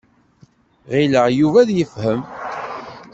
Ɣileɣ Yuba ad yefhem.